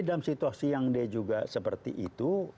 dalam situasi yang dia juga seperti itu